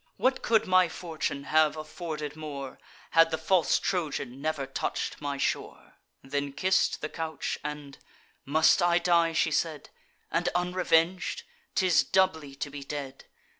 What could my fortune have afforded more, Had the false Trojan never touch'd my shore!" Then kiss'd the couch; and, "Must I die," she said, "And unreveng'd? 'Tis doubly to be dead!